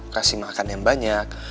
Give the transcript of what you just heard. kasih makan yang banyak